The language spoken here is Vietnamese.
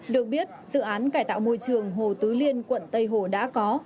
được biết dự án cải tạo môi trường hồ tứ liên quận tây hồ đã có